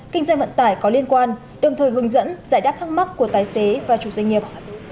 kinh doanh vận tải có liên quan đồng thời hướng dẫn giải đáp thắc mắc của tài xế và chủ doanh nghiệp